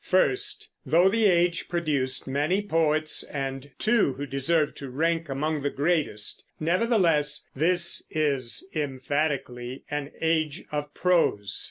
First, though the age produced many poets, and two who deserve to rank among the greatest, nevertheless this is emphatically an age of prose.